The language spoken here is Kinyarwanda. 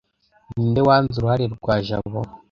Ninde wanze uruhare rwa Jabo